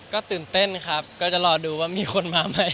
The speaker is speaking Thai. ก็ตื่นเต้นครับก็จะรอดูว่ามีคนมาไหม